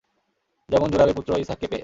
যেমন জুড়াবে পুত্র ইসহাককে পেয়ে।